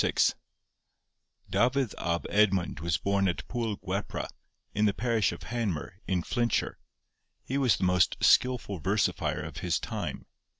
Dafydd ab Edmund was born at Pwll Gwepra, in the parish of Hanmer, in Flintshire. He was the most skilful versifier of his time.